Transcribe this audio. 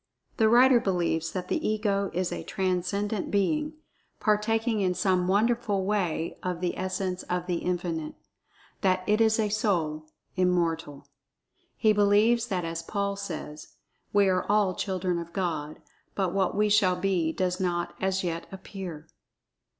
The writer believes that the Ego is a transcendent Being, partaking in some wonderful way of the essence of The Infinite—that it is a Soul—Immortal. He believes that as Paul says, "We are all children of God, but what we shall be does not as yet appear."